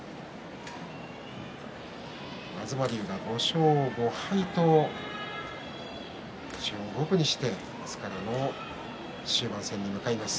東龍が５勝５敗と星を五分にして明日からの終盤戦に向かいます。